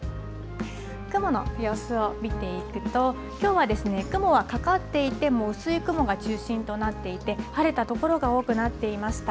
雲の様子を見ていくと、きょうは雲はかかっていても、薄い雲が中心となっていて、晴れた所が多くなっていました。